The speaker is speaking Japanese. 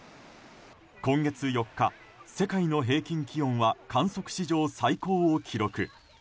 今月４日、世界の平均気温は観測史上最高を記録。